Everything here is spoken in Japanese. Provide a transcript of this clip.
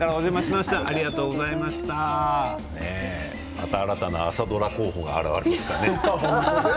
また新たな朝ドラ候補が現れてきたね。